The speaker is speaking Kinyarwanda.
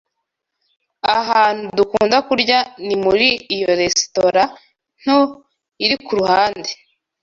Ahantu dukunda kurya nimuri iyo resitora nto irikuruhande.